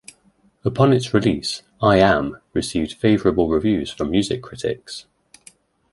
Upon its release, "I Am..." received favorable reviews from music critics.